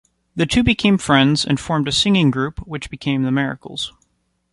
The two became friends, and formed a singing group, which became the Miracles.